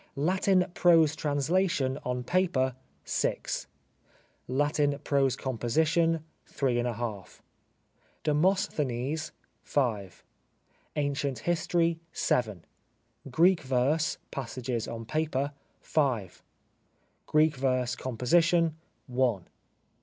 Latin Prose Translation on Paper — 6. Latin Prose Composition — 3^. Demosthenes — 5 . Ancient History — 7. Greek Verse (Passages on Paper) — 5. Greek Verse Composition. — i.